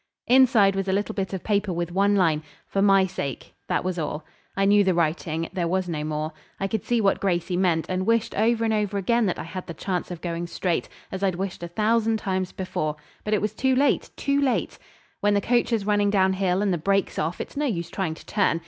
Inside was a little bit of paper with one line, 'For my sake,' that was all. I knew the writing; there was no more. I could see what Gracey meant, and wished over and over again that I had the chance of going straight, as I'd wished a thousand times before, but it was too late, too late! When the coach is running down hill and the break's off, it's no use trying to turn.